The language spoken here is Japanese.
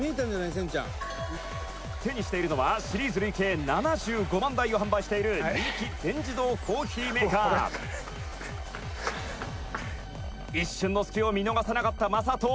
清水：「手にしているのはシリーズ累計７５万台を販売している人気全自動コーヒーメーカー」「一瞬の隙を見逃さなかった魔裟斗」